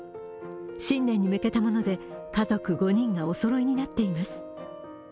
新年に向けたもので家族５人がおそろいになっています。